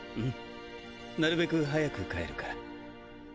なるべく早く帰るから。